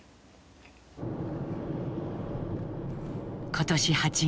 今年８月。